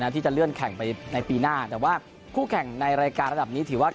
ที่จะเลื่อนแข่งไปในปีหน้าแต่ว่าคู่แข่งในรายการระดับนี้ถือว่า